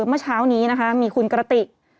เมื่อเช้านี้นะคะมีคุณกระติก